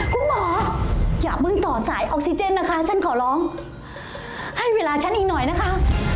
คุณหมออย่าเพิ่งต่อสายออกซิเจนนะคะฉันขอร้องให้เวลาฉันอีกหน่อยนะคะ